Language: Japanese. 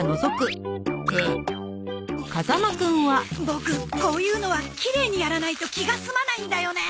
ボクこういうのはきれいにやらないと気が済まないんだよね。